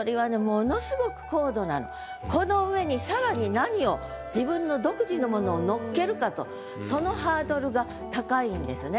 ただこの上に更に何を自分の独自のものを乗っけるかとそのハードルが高いんですね。